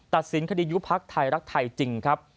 ตัดสินคดียุภักษ์ไทยรักไทยจริง